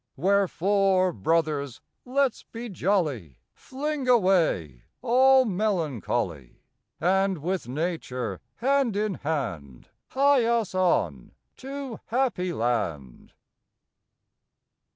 Wherefore, Brothers, let s be jolly! Fling away all melancholy, And with Nature, hand in hand* Hie us on to Happyland!